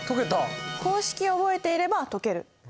公式を覚えていれば解ける。